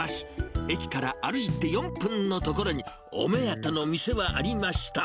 駅から歩いて４分の所に、お目当ての店はありました。